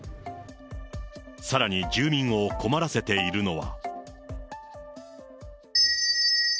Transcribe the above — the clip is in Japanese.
さらに住民を困らせているのは。